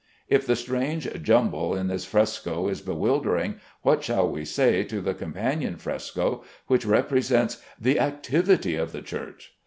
If the strange jumble in this fresco is bewildering, what shall we say to the companion fresco which represents "the activity of the Church"?